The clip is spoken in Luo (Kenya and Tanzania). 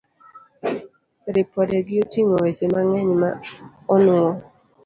Ripodegi oting'o weche mang'eny ma onuwo